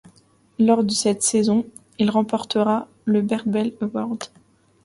Lors cette saison, il remporte le Bert Bell Award.